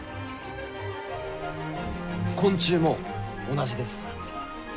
昆虫も同じです。